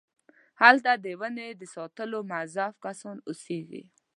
هلته د ونې د ساتلو موظف کسان اوسېږي.